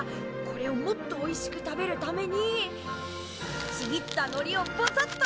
これをもっとおいしく食べるためにちぎったのりをぱさっとかける！